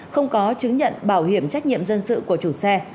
không có chứng nhận bảo hiểm trách nhiệm dân sự của chủ xe